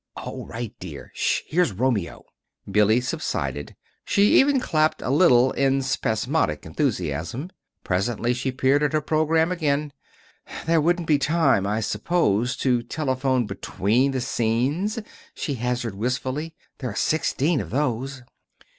"All right, dear. Sh h! Here's Romeo." Billy subsided. She even clapped a little in spasmodic enthusiasm. Presently she peered at her program again. "There wouldn't be time, I suppose, to telephone between the scenes," she hazarded wistfully. "There are sixteen of those!"